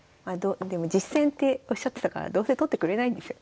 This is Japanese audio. でも実戦っておっしゃってたからどうせ取ってくれないんですよね。